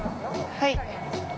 はい。